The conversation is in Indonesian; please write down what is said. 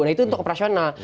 nah itu untuk operasional